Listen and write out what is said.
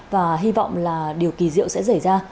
và hy vọng là điều kỳ diệu sẽ xảy ra